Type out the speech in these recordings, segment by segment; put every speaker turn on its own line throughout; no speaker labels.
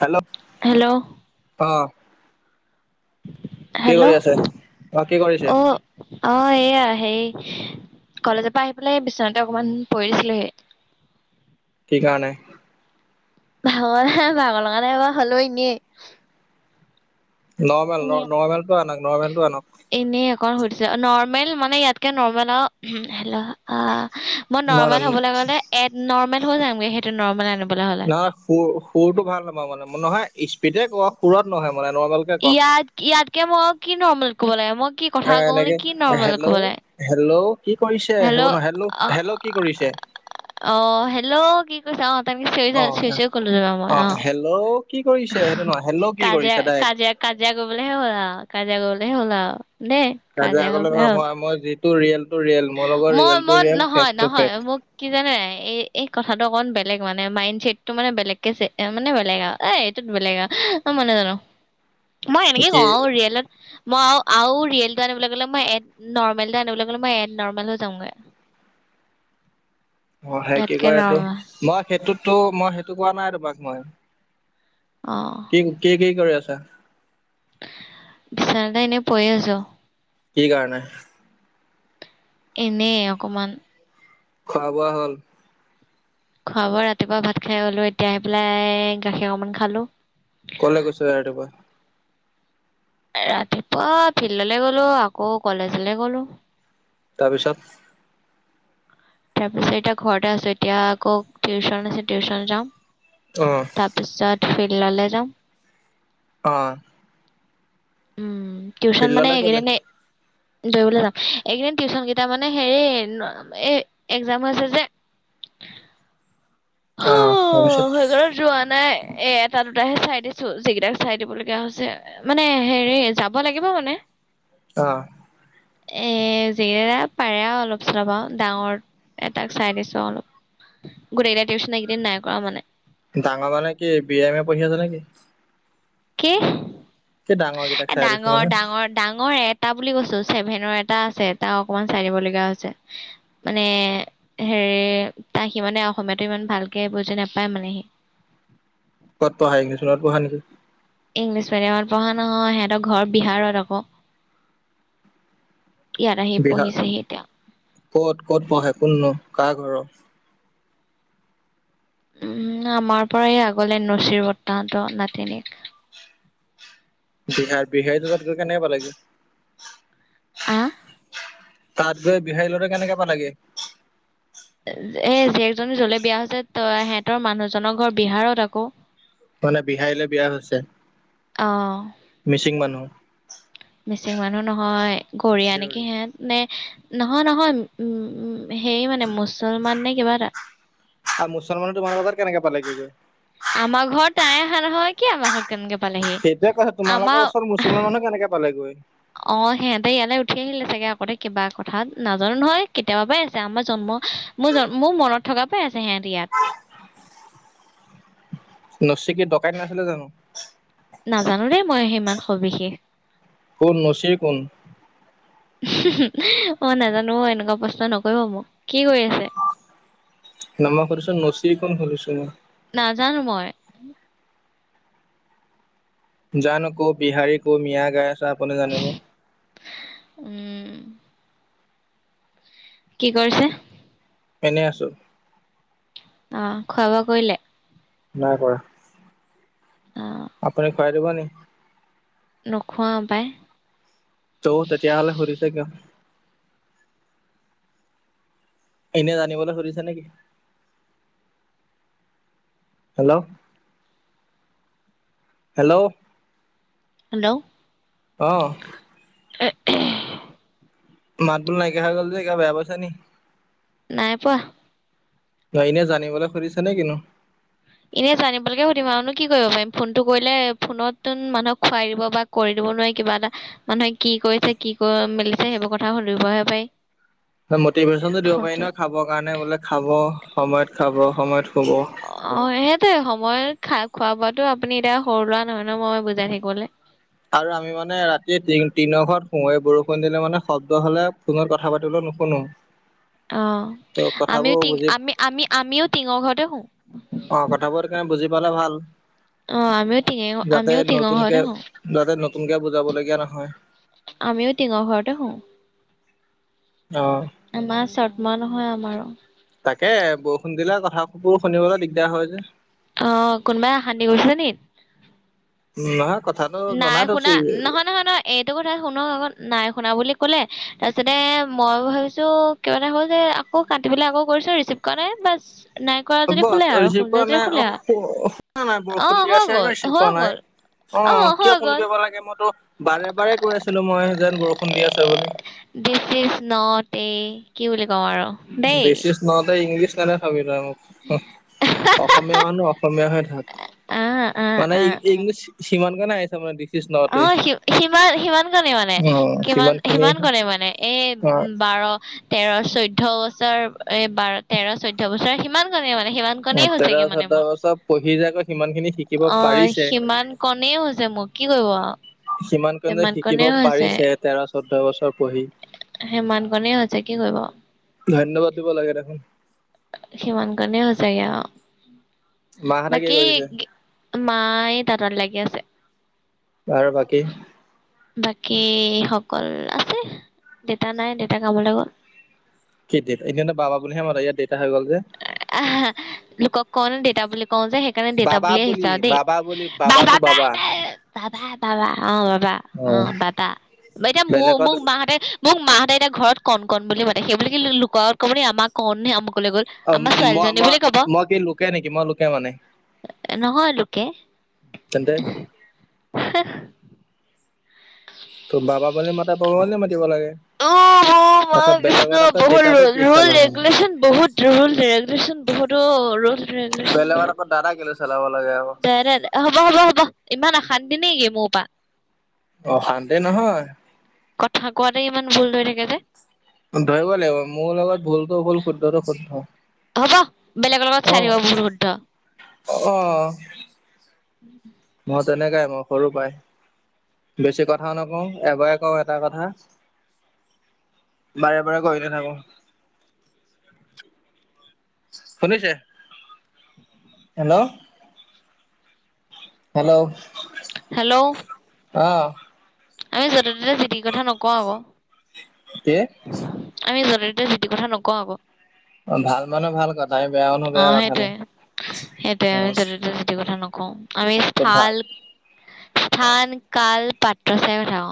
Hello
hello
অ কি
hello
কৰি আছে কি কৰিছে
অ অ এইয়া সেই কলেজৰ পৰা আহি পেলাই বিচনাতে অকমান পঢ়ি দিছিলোহি হয়
গানে
ভাগৰ ভাগৰ লগ নাইবাৰ হ'ল নে
নৰ্মেল নৰ্মেলটো আনক নৰ্মেলটো আনক
হৈছে নৰ্মেল মানে ইয়াতকে নৰ্মেল আৰু হেল্ল অ মই
নহয় ন
নৰ্মেল হবলৈ গ'লে এড নৰ্মেল হৈ যামগে সেইটো নৰ্মেল আন
নহয় সুৰ সুৰটো ভাল হমাৰ মানে ম নহয় স্পিডে ক সুৰত নহয় মানে নৰ্মেল কে কওক
ইয়াত ইয়াতকে মই কি নৰ্মেল কব লাগে মই কি কথা
আহ
কওঁ নে
এনেকে
কি নৰ্মেল ক'ব
হেল্ল'
লাগে
হেল্ল' কি কৰিছে হব ন হেল্ল
অ
হেল্ল' কি কৰিছে
অ হেল্ল' কি কৈছা অ
অ
তনেকে কলো যাবা মই অ
হেল্ল' কি কৰিছে সেইটো নহয় হেল্ল' কি
কাজিয়া
কৰিছে ডাইৰেক্ট
কাজিয়া কাজিয়া কৰিবলৈহে হ'লা কাজিয়া কৰিবলৈহে হ'লা দে কাজিয়া
গলে
কৰিম আৰু
মই মই যিটো ৰিয়েল টো ৰিয়েল মোৰ লগৰ
মই
ৰিয়েল টো
মই
ৰিয়েল ফেক
নহয়
টো
নহয়
ফেক
মোক কি জানে এই এই কথাটো অ বেলেগ মানে মাইড চছেটটো মানে বেলেগকে মানে বেলেগ আৰু এ এইটোত বেলেগ অ মানে জানো মই এনেকে
কি
কওঁ আৰু ৰিয়েলত মই আৰু ৰিয়েল টো আনিবলৈ গ'লে মই এড নৰ্মেলটো আনিব গলে মই এড নৰৰ্মেল হৈ যওঁগে
অ সেই কি কয় এইটো মই সেইটোতো মই সেইটো কোৱা নাই তোমাক মই
অ
কি কি কি কৰে আছা
বিছনাদ এনে পৰি আছো
কি কাৰণে
এনেই অকমান
খোৱা বোৱা হ'ল
খোৱা বোৱা ৰাতিপুৱা ভাত খাই গলো এতিয়া আহি পেলাই গাখীৰ অকমান খালো
কলৈ গৈছো ৰাতিপোৱা
ৰাতিপুৱা ফিল্ডলৈ গ'লো আকৌ কলেজলে গলো
তাৰপিছত
তাৰপিছত এতিয়া ঘৰতে আছো এতিয়া আকৌ টিউচন আছে টিউশচন যাম
অ
তাৰপিছত ফিল ললে যাম
অ
উ টিউচন মানে
ফিল্ডলে
এই
কেলে
কিদিনে দৰিবলৈ যাম এইকেইদিন টিউচন কেইটা মানে হেৰি এ এক্জাম হৈছে যে [unintelligible] অ সেইঘৰত যোৱা নাই এ এটা দুটাহে চাই দিছো যিকেইটা চাই দিব লগগীয়া হৈছে মানে হেৰি যাব লাগিব মানে
অ
এ যি পাৰে আৰু অলপ চলপ আৰু ডাঙৰ এটাক চাই দিছো অলপ গোটেইটা টিউশ্যচন কেইদিন নাই কৰা মানে
ডাঙৰ মানে কি বি এম এ পঢ়ি আছে নেকি
কি
কি ডাঙৰ কেইটাক
এ
চাই দিছো
ডাঙৰ
মানে
ডাঙৰ ডাঙৰ এ এটা বুলি কৈছো চছেভেনৰ এটা আছে তটা অকমান চাই দিবলগা হৈছে মানে হেৰি সি মানে অসমীয়াাতটো ইমান ভালকে বুজি নাপায় মানে সি
ক'ত পঢ়া একচোনত পঢ়া নেকি
ইংলিছ মিডিয়ামত পঢ়া নহয় সিহঁতৰ ঘৰ বিহাৰত আকৌ ইয়াত আহি
বিহাৰ
পঢ়িছেহি এতিয়া।
কত ক'ত পঢ়ে কোননো কাৰ ঘৰৰ
উম আমাৰ পৰাই আগলে নচিৰ বৰ্তাহত নাতিনক [unintelligible]
বিহাৰ বিহাৰটো তাত গৈ কেনেকুৱা লাগে
আহ
তাত গৈ বিহাৰী লত কেনেকে প লাগে
এই জীয়েকজনী যলে বিয়া হৈছে ত সিহঁতৰ মানুহজনৰ ঘৰ বিহাৰত আকৌ
মানে বিহাৰীলৈ বিয়া
অ
হৈছে মিচিং মানুহ
[unintelligible] মানুহ নহয় গৰীয়া নেকি
দেউৰী
সিহঁত নে নহয় নহয় উম সেই মানে মুছলমান নে কিবা এটা
আৰু মুছলমানো তোমাৰ বজাৰ কেনেকে পালে কি যে
আমাৰ ঘৰত তাই অহা নহয় কি আমাৰ ঘ
সেইটয়ে কৈছ তোমালোকৰ ওচৰ মুছলমান মানুহ কেনেকে পালেগৈ
অ সিহঁতে ইয়ালৈ উঠি আহিলে চাগে আগতে কিবা কথা নাজানো নহয় কেতিয়াবা পৰাই আছে আমাৰ জন্ম মোৰ মোৰ মনত থকা পাই আছে সিহত ইয়াত
নচ কি ডকাইত নাছিলে জানো
নাজানো দেই মই সি ইমান সবিশেষ
কোন নচীৰ কোন
অ নাজানো এনেকুৱা প্ৰশ্ন নকৰিব মোক কি কৰি আছে [unintelligible]
[unintelligible] কৰিছো নচি ক খছো মই
নাজানো মই
জানো ক' বিহাৰী কো মিয়া গাই আছা আপুনি জানিব
উম কি কৰিছে
এনেই আছো
অ খোৱা বোৱা কৰিলে
নাই কৰা
অ
আপুনি খুৱাই দিব নিে
নখোৱা পাই
ত ততিয়াাহল সোদীছা কি অঁ এনে জানিবলৈ সুধিছে নেকি হেল্ল' হেল্ল'
হেল্ল'
অহ
[unintelligible]
মাত বোল নাইকিয়া হৈ গ'ল যে কিব বেয়া পাইছা নি
নাই পোৱা
ন এনে জানিবলৈ খুজিছ নে কন্তু
এনেই জানিবলৈকে সুধম আৰুনো কি কৰিব পাৰিম ফোনটো কৰিলে ফোনতোন মানুহক খুৱাই দিব বা কৰি দিব নোৱাৰ কিবা এটা মানুহে কি কৰিছে কি ক মেলিছে সেইবোৰ কথা সুধিবহে পাৰি
মটিভেশ্বনতটো দিব পাৰি
ফোনটোত
নহয় খাবৰ কাৰণে বোলে খাব সময়ত খাব সময়ত শুব।
অ অ সেইটে সময় খাক খোৱা বোৱাতটো আপুনি এতিয়া সৰু লোৱা নহয় ন মই বুজাই থাকিবলৈ
আৰু আমি মানে ৰাতিয় তি তিনৰ ঘত সোমে বৰষুণ দিলে মানে শব্দ হলে ফোনত কথা পাতিলো ক কোনো
অ আমিও টি আমি আমি আমিও টিঙৰ ঘৰতে শু
অ কথাবোৰকাৰণে বুজি পালে ভাল
অ আমিও টিঙে
যাতে
আমিও টিঙৰ ঘৰতে
নতুনকে
শু
যাতে নতুনকে বুজাব লগগীয়া নহয়
আমিও টিঙা ঘৰতে হো
অ
আমাৰ চদমা নহয় আমাৰো
তাকে বৰষুণ দিলে কথাবোৰ শুনিবলৈ দিগদাৰ হয় যে
আহ কোনোবাই শান্তদি কৰিছে নি
উম কথাটো
নাই
জনাই
শুনা
থৈছো
নহয় নহয় নহয় এইটো কথা শুনো আক নাইু শুনা বুলি ক'লে তাৰপিছতে মই ভাবিছো ক মে হল যে আকৌ কাটি পেলাই আকৌ কৰিছ চিপ কৰাে বছ
বছ ৰিচিভ কৰা নাই অ
আৰু
শু নাই
অ
বৰষুণ দিয়া
হৈ
আছে
গ'ল
ৰিচিভ
হৈ
কৰা নাই
গ'ল
অ
হৈ
কিয় ফোন
গ'ল
কৰিব লাগে মইতো বাৰে বাৰে কৈ আছিলো মই যেন বৰষুণ দি আছে বুলি
নট কি বুলি কওঁ আৰু দেই
বেছি নতে ইংলিছ নানে ভাবি অসমীয়া মানহ অসমীয়া হৈে থাক
আহ আহ
মানে এই এইগো সিমান কনেে আছে আানাৰ
অি সিমান সিমান কনে মানে
অ',
কিমান
খিনি
সিমান কনে মানে এই
অ',
বাৰ তেৰ চৈধয় বছৰ এ বাৰ তেৰ চৈধ্য় বছৰ সিমান কনেে মানে সিমান কনে
তেৰ
হৈছে কি মানে
চৈধ্য
মোৰ
বছৰ পঢ়ি যাকৈ সিমান খিনি শিকিব
অ
পাৰিছে।
সিমান কণ হৈছে মোৰ কি [unintelligible]
সিমান কনেে শিকিব পাৰিছে তেৰ চৈধ্্য বছৰ পঢ়ি।
হে মান কনে হৈছে কি কৰিব
ধন্যবাদ দিব লাগে দেখোন
সিমান কাৰণে হৈ হৈছেগ
মাহঁতে কি
বাকী
কৰিছে
মায় ততত লাগি আছে
ব বাকী
বাকী সকল আছে দেতা নাই দেতা কামলৈ গ'ল
কি ডট এনেে বাবা বুলিহে মত ইয়াত দেতটা হৈ গ'ল যে
আহা লোকক কওঁ ন দেউতা বুলি কওঁ যে সেইকাৰণে দেউতা বুলিিয় আহিছা আৰু দেই
বা
তাবা তাবা অ বাবা অ পাবা এতিয়া মোৰ
বেলেগত
মোক মাহঁতে মোক মাহতে এতিয়া ঘৰত কণ কণ বুলি মাতে সেইব ক কি লুোক ক'বলৈি আমাক কণহে আমুকলৈ গ'ল
অ
আমাৰ
মই
ছোৱালীজনী
মই
বুলি ক'ব
মই কি লোকে নেকি মই লোকে মানে
নহয় লোকে
তেন্তে তোৰ বাবা ম মাতা বাবা ম মাতিব লাগে
অ মা
আকৌ
কৃষ্ণ
বেলেগত আকৌ
বহুত
দেউতাটো কি
ৰুল
চালা মানে।
ৰেগুলেশ্যন বহুত ৰল ৰেগুলেশচন বহুতো ৰজিলচন ব
বেলেগত আকৌ দাদা কেলে চলাব লাগে আকৌ
দে, দে, দে, হ'ব, হ'ব, হ'ব ইমান অশান্তি নেকি মোৰ পৰা।
অ শান্তি নহয়।
কথা কোৱাটাই ইমান ভুল হৈ থাকে যে।
ধৰিব লাগিব মোৰ লগত ভুলতটো ভুল শুদ্ধটো শুদ্ধ।
হ'ব বেলেগৰ লগত চাইথাকিবা ভূল শুদ্ধ।
অঁ
উম [inaudible]
অ' তেনেকাই মই সৰু পাই। বেছি কথাও নকওঁ এবাৰে কওঁ এটা কথা। বাৰে বাৰে কৰি নাথাকো। শুনিছে হেল্ল'। হেল্ল'।
হেল্ল'।
অহ
আমি য'তে ত'তে জি চিৰ কথা নকওঁ আকৌ।
তে
আমি যতে তটে যি তি কথা নকওঁ আকৌ।
অ ভাল মানুহ ভাল কথা আমি বেয়া মানুহ
অ
বেয়া কথা ন
সেইটোয়ে। সেইটোয়ে
অ
আমি যতে তাকে জি কথা নকওঁ। আমি স
ত ভাল
স্থান কাল পাত্ৰহে বনাও।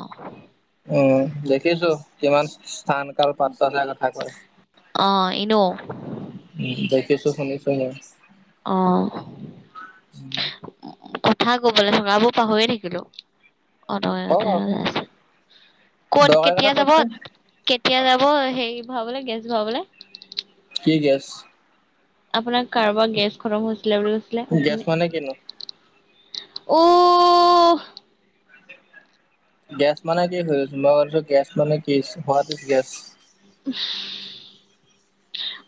উ দেখিছো কিমান স্থান কাল পাত্ৰ য কথা কয়।
অ ইনো।
উম দেখিছো শুনিছুনি
অ কথাা কবলৈ থকাবৌ পাহৰিয়ে থাকিলো অক
কওক
কথ আ
আকৌ
ক'ত
দৰকাৰী কথা
কেতিয়া যাব।
কওকচোন
কেতিয়া যাব সেই ভৰাবলে গেছ ভৰাবলে।
কি গেছ।
আপোনাৰ কাৰোবাৰ গেছ খতম হৈছিলে বুলি কৈছিলে
গেছ মানে কিনো?
আপুনি। অহ।
গেছ মানে কি হৈছ মই কছো গেছ মানে কি হোৱছ গেছ
উম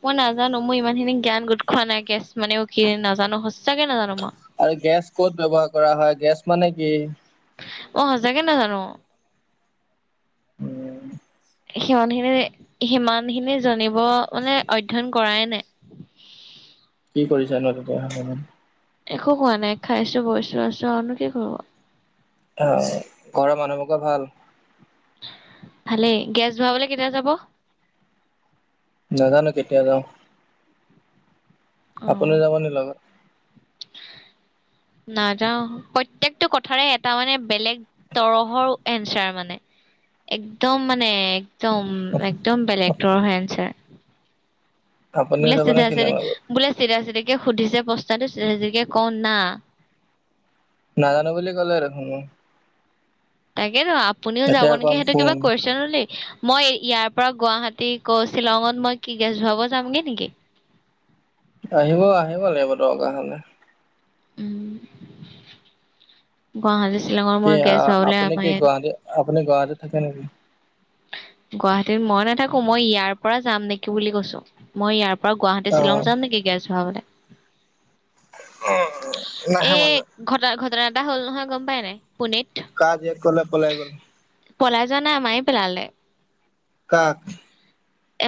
মই নাজানো মোৰ ইমানখিনি জ্ঞান গোট খোৱা নাই। গেছ মানে কি নাজানো সচাকে নাজানো মই।
আৰু গেছ ক'ত ব্যবহাৰ কৰা হয়। গেছ মানে কি?
অ সঁচাকে নাজানো।
উম।
সিমানখিনি সিমানখিনি জানিব মানে অধ্য়ন [unintelligible] কৰাই নাই হয় [inaudible]
কি কৰিছা ন ত হগান [inaudible]
একো কোৱা নাই খাইছো বৈছো আছো আৰুনো কি কৰো
আহ ঘৰৰ মানুহবোকে ভাল।
ভালেই গেছ ভৰাবলৈ কেতিয়া যাব।
নাজানো কেতিয়া যাও আপুনি যাব নি লগত।
হয় নাজাওঁ প্ৰত্যেকটো কথাৰে এটা মানে বেলেগ তৰহৰ এনচাৰ মানে। একদম মানে একদম একদম বেলেগ হৈ [unintelligible] আছে
আপুনিও
বোলে
যাব নে
চিধা
কিনো
চিধি
লগত?
বোলে চিধা চিতিকে সুধিছে প্ৰশ্নটো চিধাকে কোওনা
নাজানো বুলি ক'লে আৰুখয় [unintelligible]
তাকেেতো আপুনিও যাব নেকি
অকণ
সেইটো কিবা
ফোন
কৰিছে [unintelligible] নো দি মই ইয়াৰ পৰা গুৱাহাটী ক শ্বিলঙত মই কি গেছ ধৰাব যামগে নেকি।
আহিব আহিব লাগিব দৰকা হলে।
উম গুৱাহাটী। শ্বিলঙৰ মই গেছ হাওলে আমাৰ ইয়াত
মানে গাঁৱতে থাকে নেকি
গুৱাহাটীত মই নাথাকো মই ইয়াৰ পৰা যাম নেকি বুলি কৈছো মই ইয়াৰ পৰা প গুৱাহাটী শ্বিলং
অ'
যাম নেকি গেছ ভৰাবলৈ এ
নাহে মানে।
ঘটা ঘটনা এটা হ'ল নহয় গম পাই নাই পুনিত
কাজ এক কলে পলাই গল
পলাই যোৱা নাই আমায়ে পেলালে
ক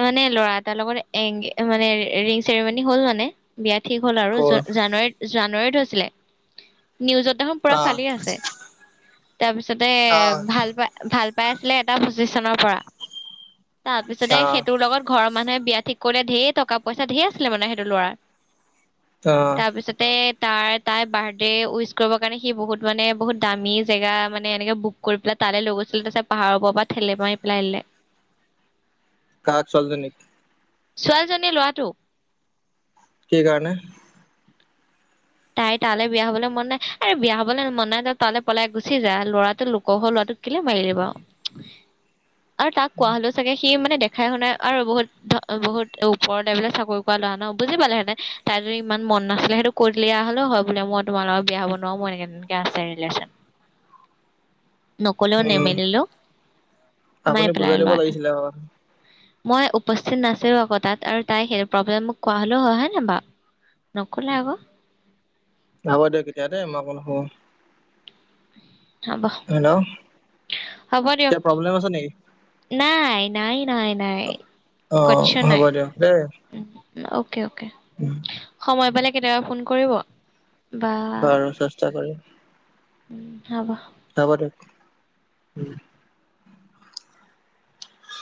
মানে ল'ৰা এটাৰ লগত এগ মানে ৰিং চেৰিমনী হ'ল মানে বিয়াত ঠিক হ'ল আৰু
ক'ৰ?
জ জানুৱাৰীত জানুৱাৰীত হৈছিলে নিউজত দেখোন পুৰা ফালি আছে তাৰপিছতে ভাল পা ভাল পাই আছিলে এটা পজিশ চনৰ পৰা তাৰপিছতেেই ঘৰৰ মানুহে বিয়া ঠিক কৰিলে ঢেৰ টকা পইচা ে আছিলে মানে সেইটো ল'াৰ তাৰপিছতে তাৰ তাইৰ বাৰ্থডে উইচ কৰিবৰ কাৰণে সি বহুত মানে বহুত দামী জেগা মানে এনেকে বুক কৰি পেলাই তালৈ লগ আছিলে তাছ পাহাৰৰ পৰা ঠেলে পৰাাৰি পেলাই আহিলে
কাক চলতে নেকি
ছোৱালীজনীয়ে লোৱাটো
কি কাৰণে
তাই তালৈ বিয়া হবলৈ মন নাই আ বিয়া হবলৈ মন নাই ত তালৈ পলাই গুচি যা ল'ৰাটো লোকহ লৰা ে মাৰ দিবা আৰু তাক কোৱা হলেও চাগে সি মানে দে খাই শুনোই আৰু বহুত ধ বহুত ওপৰলেবিলাক চাকৰি কৰা লৰা ন বুজি পালেহেঁতে তাই ইমান মন নাছিলে সেইটো কৰি লিয়া হলেও হয় বোলে মই তোমাৰ লগত বিয়া হ'ব নোৱাৰো মোৰ এনেক তেনেকে আছে লেচন নকলেও
উম
নেমেলিলো মাই
আপুনি
পেলাই
বুজাই দিব
লটো
লাগিছিলে অ
মই উপস্থিত নাছিলো আকৌ তাত আৰু তাই সেই প্ৰব্লেম মোক কোৱা হলেও হয় হয়নেে বাু নকলে আকৌ
হব দিয়ক তেতিয়া দে মই অো নখব
হব হ'ব দিয়ক
কিবা প্ৰব্লেম আছে নেকি
নাই নাই নাই নাই
অ
কছ
হ'ব দিয়ক দেই
নাইেে সময় পালে কেতিয়াবা ফোন কৰিব
বাৰু চেষ্টা কৰিম
উম হব
তাবা দে